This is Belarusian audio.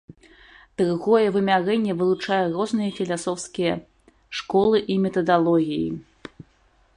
Другое вымярэнне вылучае розныя філасофскія школы і метадалогіі.